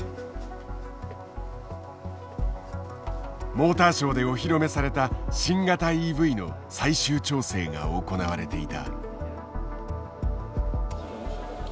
モーターショーでお披露目された新型ＥＶの最終調整が行われていた。